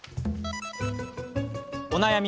お悩み